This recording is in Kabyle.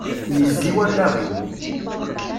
Yezzi wallaɣ-iw.